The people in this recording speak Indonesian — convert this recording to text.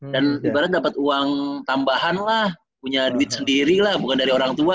dan ibarat dapat uang tambahan lah punya duit sendiri lah bukan dari orang tua